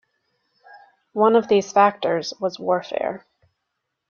One of these factors was warfare.